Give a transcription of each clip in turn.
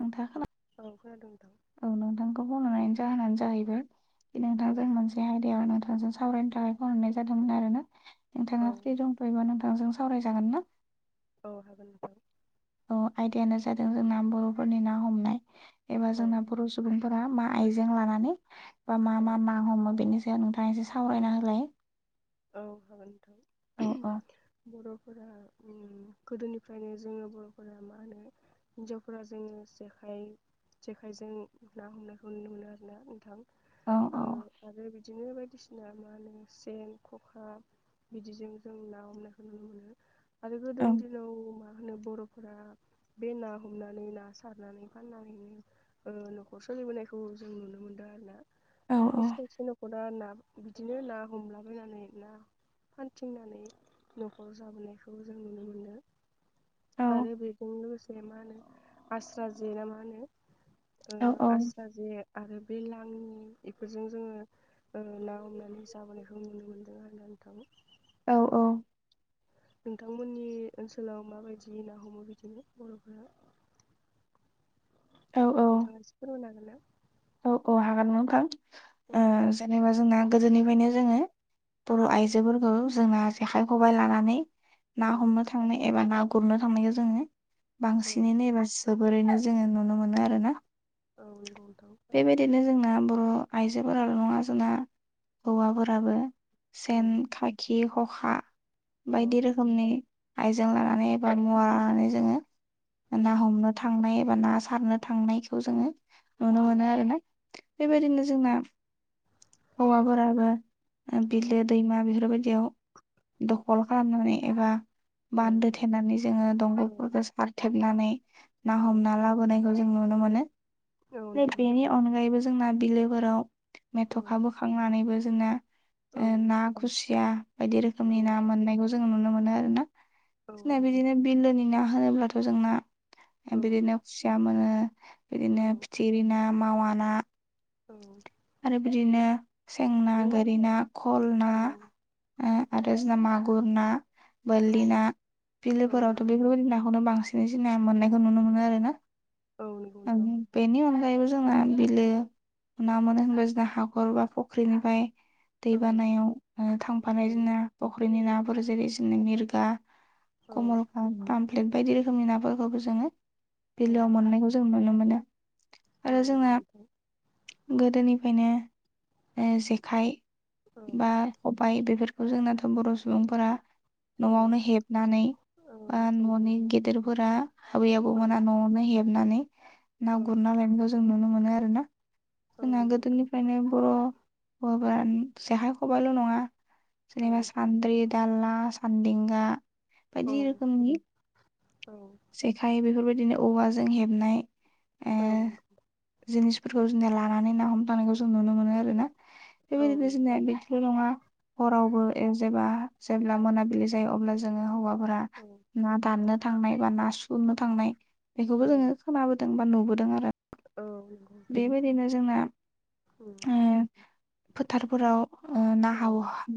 नोंथा दंदां जाहोनानै जाहैबाय बे औ नोंथांजों मोनसे आयदिया नोंथां सावरायनो थाखाय फन हरनाय जादोंमोन आरोना औ नोंथाङा फ्रि दंथयोबा नोंथांजों सावरायजागोन ना औ हागोन नोंथां आयदायानो जादों जोंना बर'फोरनि ना हमनाय एबा औ जोंना बर' सुबुं मा आइजों लानानै बा मा औ मा ना हमो बेनि स नोंथाङा एसे सावरायना होलाय औ औ हागोनथ' औ बर'फोरा गोदोनिफ्रायनो जोङो बर'फोरा मा होनो हिन्जावफोरा जोङो जेखाइ जेखाइजों ना हमनायखौ नुनो मोनो आर ना औ औ नोंथां आरो बिदिनो बायदिसिना मा होनो सेन खखा बिदिजों जों ना हमनायखौ नुनो मोनो आरो औ गोदोनि दिनाव मा मा होनो बर'फोरा बे ना हमनानै ना सारनानै फाननानैनो न'ख सोलिबोनायखौ जों नुनो मोनदों आरो ना औ खायसे खायसे न'खरा ना बिदिनो ना हम लुबैनानै ना फानथिंनानै न'खराव जाबोनायखौ जों नुनो मोनो औ आरो बेजों लोगोसे मा होनो आस्रा जेया मा होनो औ औ आसा जे आरो बे लाांनि बेफोरजों जोङो ना हमनानै जाबोनाय थ नुनो मोनदों आ आंथाव नोंथांमोननि ओनसोलाव माबायदि ना हमो बिदिनो बर'फोरा [inaudible] औ थसिफोर नागोन औ औ हागोनमोनखां औ जेनेबा जोंना गोदोनिफ्रायनो जोङो औ बर' आइजोफोरखौ जोंना जेखाइ खबाइ लानानै औ ना हमनो थांनो एबा ना गुरनो थांनायखौ जोङो औ बांसिनैनो एबा जोबोरैनो जोङो नुनो मोनो आरोना औ नंगौथ' बेबायदिनो जोंना बर' आइजोफोराल' नङा जोंना हौवाफोराबो औ अ सेन खाखि हखा औ बायदि रोखोमनि आइजें लानानै एबा मुवा लानानै जोङो ना औ हमनो थांनाय एबा ना सारनो थांनायखौ जोङो नुनो मोनो आरोना। बेबायदिनो औ जोंना हवा बाराबा बिलो दैमा बिफोर बायदि बियाव दखल खालामनानै एबा औ औ बान्दो थेनानै जोङो औ दंगलफोरखौ सारथेबनानै ना औ हमना लाबोनाय जों नुनो मोनो नंगौ बेनि नोंथां अनगायैबो जोंना बिलोफोराव औ मेथ'खा बोखांनानैबो जोंना औ ना खुसिया बायदि औ रोखोमनि ना मोननायखौ जोङो नुनो मोनो आरो ना औ जोंना नंगौ बिदिनो नोंथां बिलोनि ना होनोब्लाथ' जोंना औ बिदिनो खुसिया मोनो बिदिनो औ फिथिख्रि ना मावा ना औ आरो बिदिनो सेंना गोरि ना खल ना औ आरो जोंना मागुर ना बोरलि ना औ बिलोफोरावथ' नंगौ नोंथां बेफोरबायदि नाखौनो बांसिन सिनाय सिनाय मोननायखौ नुनो मोनो आरो ना। औ नंगौ आ नोंथां बेनि हनो गाय जोंना बिलो ना मोनो होनबा जोंना हाखर बा फुख्रिनिफ्राय दै औ बानायाव औ थांफानाय जोंना फख्रिनि नाफोर जेरै मिरगा औ कमलख पामफ्लेट बायदि रोखोमनि नाफोरखौबो जोङो औ बिलोआव मोननानै मोनो मोनो औ नंगौ गोदोनिफ्रायनो जेखाइ औ बा खबायाइ बेफोरखौ बेखौ जोंनाथ' बर' सुबुंफोरा न'आवनो हेबनानै बा न'नि गेदेरफोरा आबै आबौ मोना न'आवनो हेबनानै ना गुरना लायनायखौ जों नुनो मोनो आरो ना। जोंहा गोदोनिफ्रायनो बर' हाबा जेखाइ खबायल' नङा जनिबा सान्द्रि दाला सान्देेंगा बायदि रोखोमनि जेखाइ बेफोरबायदिनो औवाजों हेबनाय ओ औ जिनिसफोरखौ जोंनिया लानानै ना हमदांखौ जों नुनो मोनो आरो ना बेबायदिनो जोंनि बिदिल नङा हरावबो जेबा जेब्ला मोनाबिलि जायो अब्ला जोङो हौवाफोरा ना दाननो थांनाय बा ना सुरनो थांनाय बेखौबो जोङो खोनाबोदों बा नुबोदों आरो। बेबायदिनो जोंना औ ओ फोथारफोराव ना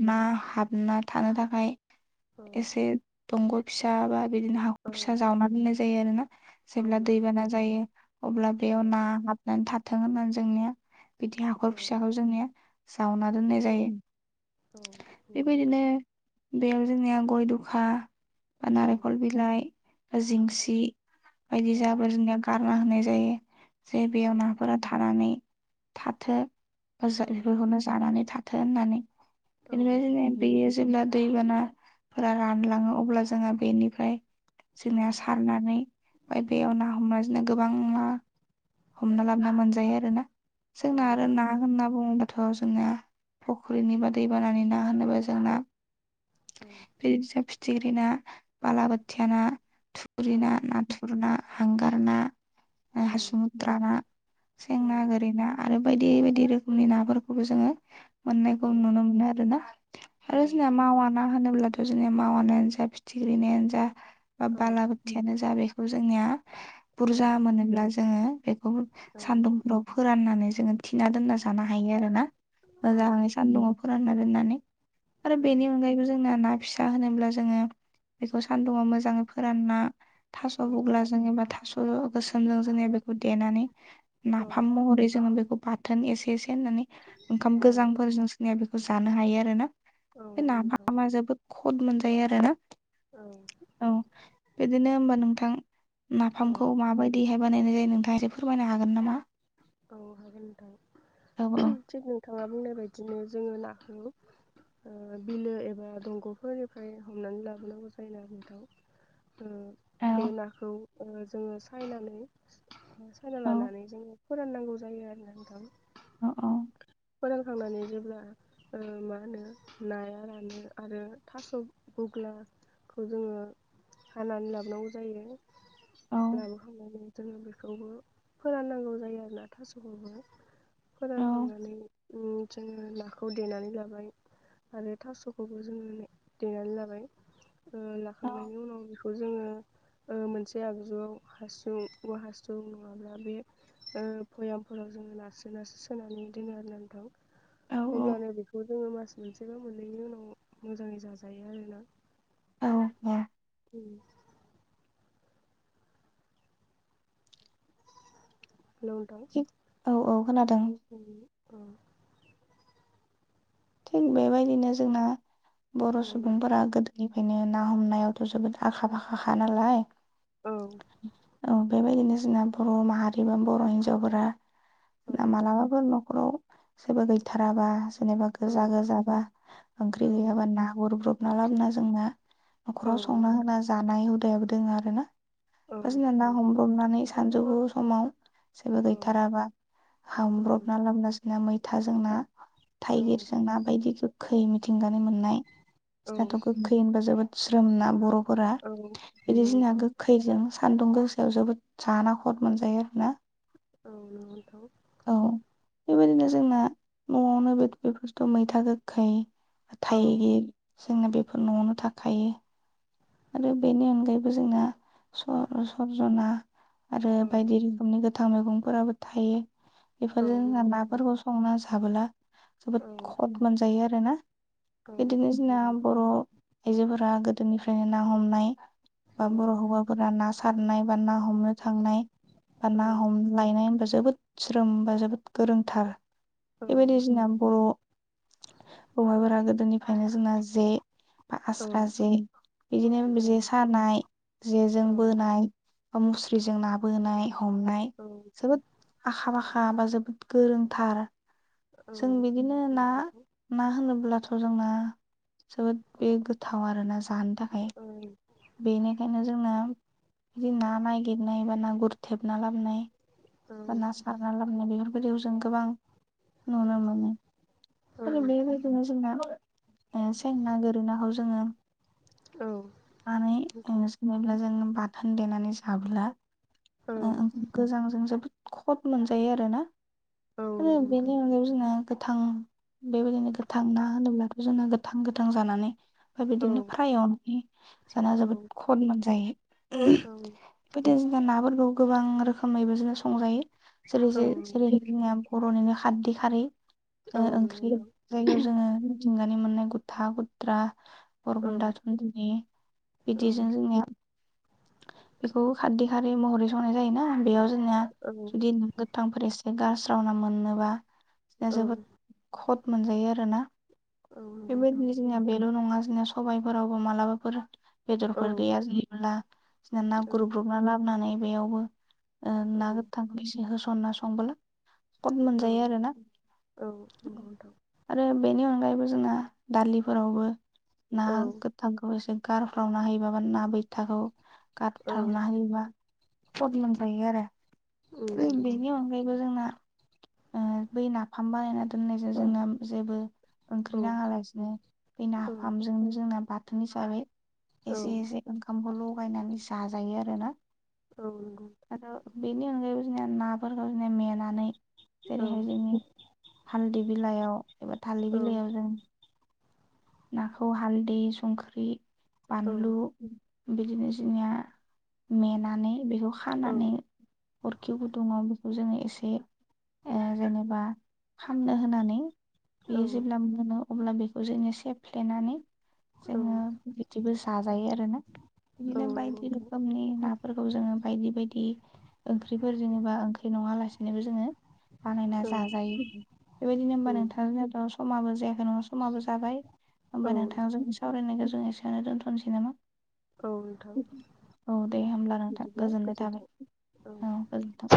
ना हाबना थानो थाखाय एसे दंग फिसा बा बिदिनो हाखर फिसा जावना दोननाय जायो आरो ना। औ जेब्ला दैबाना जायो अब्ला बेयाव ना हाबनानै थाथों होननानै जोंनिया बिदि हाखर फिसाखौ जोंनिया जावना दोननाय जायो। नंगौ नोंथां बेबायदिनो बेयाव जोंनिया गय दखा बा औ नारेंखल बिलाइ बा जिंसि औ बायदि जा गारना होनाय जायो जे औ बेयाव नाफोरा थानानै थाथो। औ बेफोरखौनो जानानै थाथों होननानै औ बेनिफ्राय ज नंगौ बेयो जेब्ला दैबानाफोरा रानलाङो अब्ला जोंहा बेनिफ्राय नोंथां जोंनिया औ सारनानै ओमफ्राय बेयाव ना हमनाजोंनो गोबां ना हमना लाबोना मोनजायो आरोना औ जोंना नंगौ आरो नोंथां ना होनना बुङोबा थ जोंना फुख्रिनि बा दैबानानि ना होनोबा जोंना औ बे फिथिख्रि ना बालाबोथिया ना थुरि औ औ ना नाथुर ना हांगार ना हासुम ग्रााना औ औ सेंनाा गोरि ना आरो बायदि बायदि रोखोमनि नाफोरखौबो जोङो मोननायखौ नुनो मोनो आरोना नंगौ नोंथां औ आरो नंगौ जोंना नोंथां मावा ना होनोब्ला बे जोंनिया मावानोनो जा फिथिख्रिनिानो जा बा बालाबोथियानो जा बेखौ जोंनिया बुरजा मोनोब्ला जोङो बेखौ सानदुंफ्राव फोराननानै जोङो थिना दोनना जानो हायो आरोना मोजाङै सानदङाव फोरानना दोननानै आरो बेनि अनगायैबो जों न ना फिसा होनोब्ला जोङो बेखौ सान्दुङाव मोजाङै फोरानना थास' बुग्ला जों एबा थास' गोसोमजों जोंनिया बेखौ देनानै नाफाम महरै जोङो बेखौ बाथोन एसे एसे होननानै ओंखाम गोजांफोरजों सनाया बेखौ खौ जानो हायो आरो ना बे नाफामा जोबोद खद मोनजायो आरो ना औ बिदिनो हबा नोंथां नाफामखौ माबायदिहाय बानायनाय जायो नों गारि फोरमायनो हागोन नामा मावनो हागोन नोंथां औ औ थिग नोंथाङा बुंनाय बदिनो जोङो नाखौ बिलो एबा दंग'फोरनिफ्राय हमनानै लाबोनांगौ जायोना बे दउ बे नाखौ जोङो सायनानै सायना औ लानानै जोङो फोराननांगौ जायो आरो नोंथां अ औ फोरोंखांनानै जेब्ला मा होनो नाया रानो आरो थास' अख्लाखौ जोङो हानानै लाबोनांगौ जायो औ लाबोखांनानै जोङो बेखौबो फोराननांगौ जायो आरोोना थास'बो औ फोरानखांनानै जोङो नाखौ देनानै लाबाय आरो थास'खौबो जोङो देनानै लाबाय औ लाखांनायनि उनाव बे खौ जोङो मोनसे आगजुआव हासुं हासुं नङाब्ला बे भयामफोराव जोङो नारस्रो नारस्रो सोनानै दोनो आर नांथाव अब्लानो बेखौ जोङो मास मोनसेबा मोननैनि उनाव मोजाङै जाजायो आरोना औ उ औ औ खोनादों उ अ थिग बेबायदिनो जोंना बर' औ सुबुंफोरा गोदो फ्रायनो ना हमनायावथ' जोबोद आखा फाखाखा नालाय औ औ बेबायदिनो जोंना बर' माहारि बा बर' हिनजावफोरा मालाबाफोर न'खराव सोरबा गैथाराबा जेनेबा औ गोजा गोजाबा ओंख्रि औ गैयाबा ना गुरब्रब लाबना जोंना औ न'खराव संना होना जानाय हुदायाबो दोङो आरोना औ [unintelligible] ना नंगौ हमब्रबनानै सानजौफु समाव जेबो औ गैथाराबा औ हामब्रबना लाबोन जोंना मैथा जों ना औ थाइगिर जोंना बायदि गोखै मिथिंगानाय मोननाय औ जोंनाथ' गोखै होनबा जोबोद ज्रोमना बर'फोरा औ नंगौ बिदि जोंना नोंथां गोखैजों सान्दुं गोसायाव जोबोद जाना खद मोनजायो आरोना [unintelligible] औ बेबायदिनो जोंना न'आवनो बे बेफोरथ' मैथा गोखै औ नंगौ नोंथां औ थाइगिर जोंना बेफोर न'आवनो थाखायो आरो बेनि अनगायैबो जोंना सरजना आरो बायदि रोखोमनि गोथां मैगंफोराबो थायो औ बेफोरजों जोंहा नंगौ नोंथां नाफोरखौ संना जाबोला जोबोद औ खद मोनजायो आरोना औ बिदिनो जोंना बर' आइजोफोरा गोदोनिफ्रायनो ना हमनाय बा बर' हौवाफोरा ना सारनाय बा ना हमनो थांनाय बा ना हमलायनाय होनबा जोबोद ज्रोम बा जोबोद गोरोंथार बेबायदि जिना बर' [unintelligible] फोरा गोदोनिफ्रायनो जोंना जे बा आस्रा जे बिदिनो जे सानाय जेजों बोनाय बा मुस्रिजों ना बोनाय हमनाय जोबोद आखा फाखा बा जोबोद गोरोंथार जों बिदिनो ना ना होनोब्ला थ' जोंना जोबोद बे गोथाव आरोना जानो थाखाय बेनिखायनो जोंना बिदि ना नागिरनाय बा ना गुरथेबना लाबोनाय बा ना सारना लाबोनाय बेफोरबायदियाव जों गोबां नुनो मोनो आरो बेबायदिनो जोंना सें ना गोरै नाखौ जोङो मानै [unintelligible] जों बाथोन देनानै जाब्ला गोजांजों जोबोद खट मोनजायो आरोना आरो बेनि अनगायैबो जोंना गोथां बेबायदिनो गोथां ना होनोब्लाथ' जोंना गोथां गोथां जानानै बेफोरबादिनो फ्राय एवनानै जाना जोबोद खद मोनजायो बेबायदि जोंना नाफोरखौ गोबां रोखोमैबो जोंना संजायो जेरै जेरै जोंनिया बर'निनो खारदै खारै ओंख्रि जायखौ जोङो मिथिंगानि मोननाय गुथा कुत्रा बरगुन्दा थुनथुनि बिदिजों जोंनिया बेखौ खारदै खारै महरै संनाय जायोना बेयाव जोंनिया जुदि फुथांफोर एसे गारस्रावना मोननोबा बि जोबोद खद मोनजायो आरोना बेबायदिनो जोंनिया बेल' नङा जोंनिया सबायफोरावबो मालाबाफोर बेदरफोर गैया जायोब्ला बिना ना ग्रुबना लाबोनानै बेयावबो ना गोथांखौ एसे होसनना संबोला कट मोनजायो आरोना आरो बेनि अनगायैबो जोंना दालिफोरावबो ना गोथांखौ एसे गारफ्रावना हैयोबा बा ना बैथाखौ गारथारना होयोबा खद मोनजायो आरो बेनि अनगायैबो जोंना बै नाफाम बानायना दोननायजों जोंना जेबो ओंख्रि नाङालासिनो दै नाफामजोंनो जोंना बाथोन हिसाबै एसे एसे ओंखामखौ लगायनानै जाजायो आरो ना आरो बेनि अनगायैबो जों नाफोरखौ मेनानै जेरैजोंयो हालदै बिलइयाव एबा थालिर बिलाइयाव जों नाखौ हालदै संख्रि बानलु बिदिनो जोंनिया मेनानै बेखौ खानानै अरखि गुदुङाव बेखौ जोंङो एसे जेनेबा खामनो होनानै बेयो जेब्ला मोनो अब्ला बेखौ जोंङो सेफ्लेनानै औ जोंङो नंगौ बिदिबो जाजायो आरोना बिदिनो बायदि नोंथां रोखोमनि ना फोरखौ जोंङो बायदि बायदि ओंख्रिफोर जेनेबा ओंख्रि नंङा लासिनोबो जोंङो बानायना जाजायो बेबायदिनो औ हबा नोंथां जथ' समाबो जायाखै नंङा समाबो जाबाय औ होमबा नोंथांङा जोंनि सावरायनायखौ जों एसेयावनो दोनथ'नोसै नामा औ नोंथां औ दे होमब्ला नोंथां बिदिब्ला गोजोननाय गोजोन्थों थाबाय औ गोजोनथों